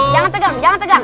jangan tegang jangan tegang